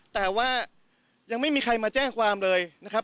แต่ว่ายังไม่มีใครมาแจ้งความเลยนะครับ